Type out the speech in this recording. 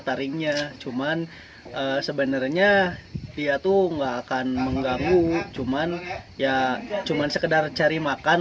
taringnya cuman sebenarnya dia tuh nggak akan mengganggu cuman ya cuman sekedar cari makan